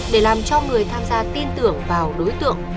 để làm cho người tham gia tin tưởng vào đối tượng